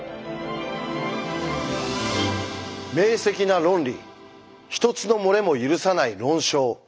明晰な論理一つの漏れも許さない論証。